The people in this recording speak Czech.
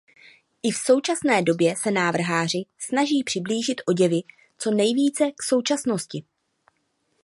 I v současné době se návrháři snaží přiblížit oděvy co nejvíce k současnosti.